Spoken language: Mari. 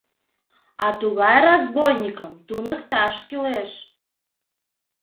— А тугай разбойникым туныкташ кӱлеш.